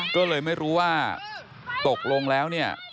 ก็เลยไม่รู้ว่าตกลงแล้ว